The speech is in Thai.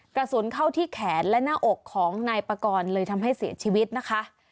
กระสุนเข้าที่แขนและหน้าอกของนายปากรเลยทำให้เสียชีวิตนะคะ